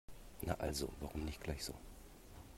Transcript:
Na also, warum nicht gleich so?